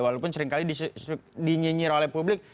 walaupun seringkali dinyinyir oleh publik